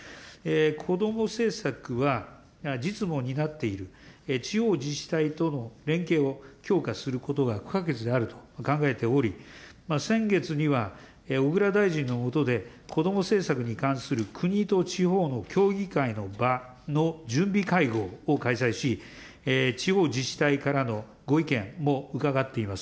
こども政策は、実務を担っている地方自治体との連携を強化することが不可欠であると考えており、先月には小倉大臣の下で、こども政策に関する国と地方の協議会の場の準備会合を開催し、地方自治体からのご意見も伺っています。